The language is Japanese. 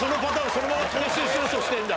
そのまま吸収しようとしてんだ！